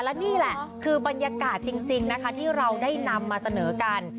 และนี่แหละคือบรรยากาศจริงนะคะที่เราได้นำมาเสนอกัน